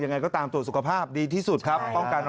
ยังไงก็ตามตรวจสุขภาพดีที่สุดครับ